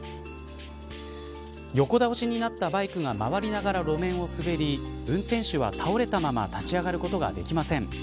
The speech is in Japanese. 横倒しになったバイクが回りながら路面を滑り運転手は倒れたまま立ち上がることができません。